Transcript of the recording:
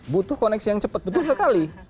butuh koneksi yang cepat betul sekali